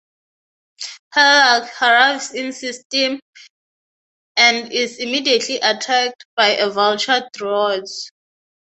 "Halleck" arrives in-system, and is immediately attacked by Vulture droids.